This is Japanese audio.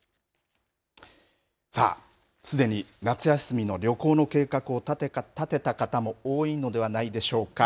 さあ、すでに夏休みの旅行の計画を立てた方も多いのではないでしょうか。